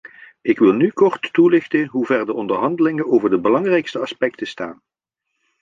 Ik wil nu kort toelichten hoever de onderhandelingen over de belangrijkste aspecten staan.